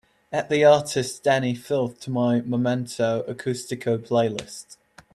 add the artist dani filth to my momento acústico playlist